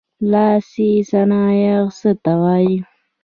لاسي صنایع څه ته وايي.